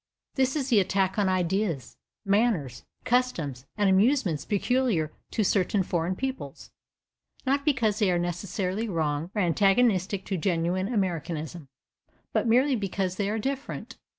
This is the attack on ideas, manners, customs and amusements peculiar to certain foreign peoples, not because they are necessarily wrong, or antagonistic to genuine Americanism, but merely because they are different.